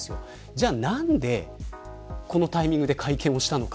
では、何でこのタイミングで会見をしたのか。